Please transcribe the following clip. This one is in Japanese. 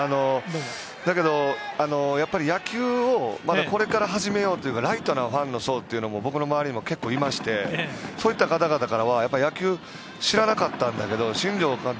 やっぱり野球をこれから始めようというかライトなファンの層って僕の周りにも結構いましてそういった方々からは野球、知らなかったんだけど新庄